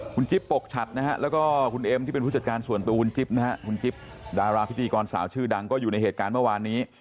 คุณจิ๊บปกฉัดนะฮะแล้วก็คุณเอ็มที่เป็นผู้จัดการส่วนตัวคุณจิ๊บนะฮะคุณจิ๊บดาราพิธีกรสาวชื่อดังก็อยู่ในเหตุการณ์เมื่อวานนี้